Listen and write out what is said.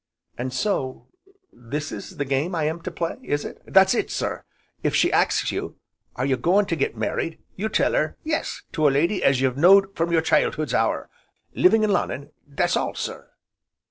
"And so this is the game I am to play, is it?" "That's it, sir; if she ax's you, 'are you goin' to get married?' you'll tell her 'yes, to a lady as you've knowed from your childhood's hour, living in Lonnon,' that's all, sir."